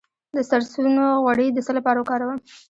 د سرسونو غوړي د څه لپاره وکاروم؟